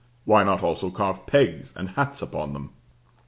Why not also carve pegs, and hats upon them?